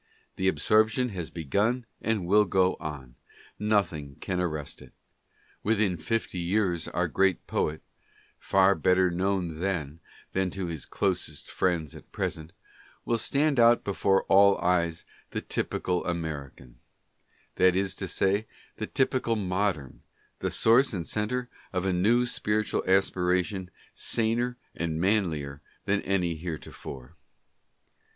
The absorption has begun and will go on ; nothing can arrest it. Within fifty years our great poet (far better known then than to his closest friends at present) will stand out before all eyes the typical American — that is to say, the typical modern — the source and centre of a new spiritual aspiration saner and manlier than any heretofore.